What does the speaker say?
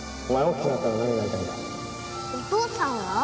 お父さんは？